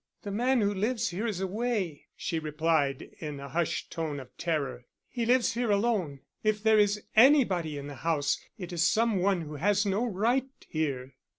"The man who lives here is away," she replied, in a hushed tone of terror. "He lives here alone. If there is anybody in the house, it is some one who has no right here."